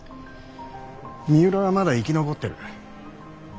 三浦はまだ生き残ってる。